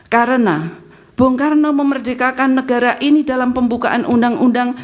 karena bung karno memerdekakan negara ini dalam pembukaan undang undang